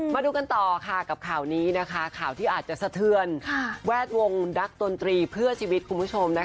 มาดูกันต่อค่ะกับข่าวนี้นะคะข่าวที่อาจจะสะเทือนแวดวงนักดนตรีเพื่อชีวิตคุณผู้ชมนะคะ